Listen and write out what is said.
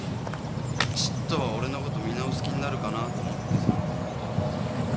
ちょっとは俺の事見直す気になるかなと思ってさ。